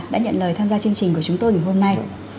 đã nhận lời tham gia chương trình của chúng tôi ngày hôm nay